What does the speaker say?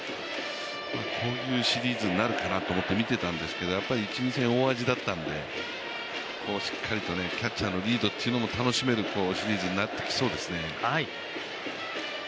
こういうシリーズになるかなと思って見てたんですけどやっぱり１、２戦大味だったので、ここはしっかりとキャッチャーのリードというのも楽しめるシリーズになってきそうですね。